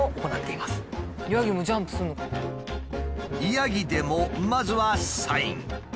ヤギでもまずはサイン。